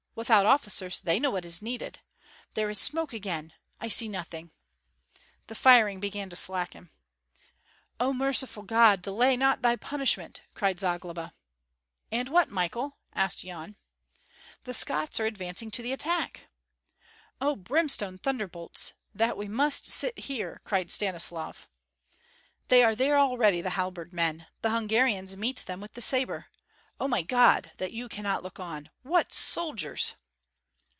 Without officers, they know what is needed. There is smoke again! I see nothing " The firing began to slacken. "O merciful God, delay not thy punishment!" cried Zagloba. "And what, Michael?" asked Yan. "The Scots are advancing to the attack!" "Oh, brimstone thunderbolts, that we must sit here!" cried Stanislav. "They are there already, the halberd men! The Hungarians meet them with the sabre! Oh, my God! that you cannot look on. What soldiers!"